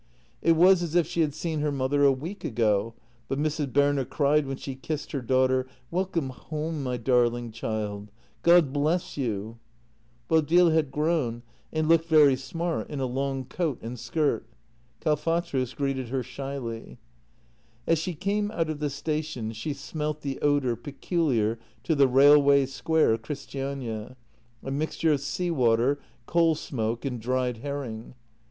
It was as if she had seen her mother a week ago, but Mrs. Berner cried when she kissed her daughter: "Welcome home, my darling child — God bless you !" Bodil had grown, and looked very smart in a long coat and skirt. Kalfatrus greeted her shyly. As she came out of the station she smelt the odour peculiar to the railway square of Christiania — a mixture of sea water, coal smoke, and dried herring.